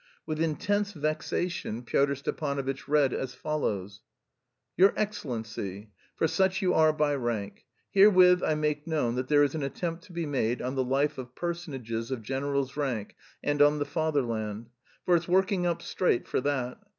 With intense vexation Pyotr Stepanovitch read as follows: "Your excellency, For such you are by rank. Herewith I make known that there is an attempt to be made on the life of personages of general's rank and on the Fatherland. For it's working up straight for that.